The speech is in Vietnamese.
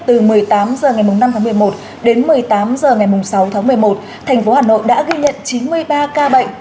từ một mươi tám h ngày năm tháng một mươi một đến một mươi tám h ngày sáu tháng một mươi một thành phố hà nội đã ghi nhận chín mươi ba ca bệnh